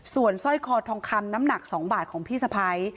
ส่วนสร้อยคอทองคำน้ำหนัก๒บาทของพี่สะพ้าย